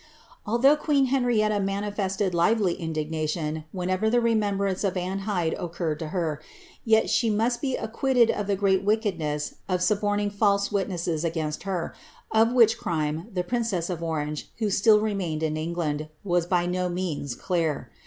Although queen Henrietta manifested lively indignation whenever the Temembrance of Anne Hyde occurred to her, yet she must be acquitted of the great wickedness of suborning false witnesses against her, of which crime the princess of Orange, who still remained in England, was by no means clear.